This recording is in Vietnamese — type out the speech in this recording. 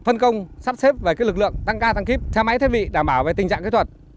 phân công sắp xếp về lực lượng tăng ca tăng kíp xe máy thiết bị đảm bảo về tình trạng kỹ thuật